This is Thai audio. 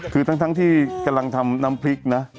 คือทั้งที่กำลังทำน้ำพริกนะ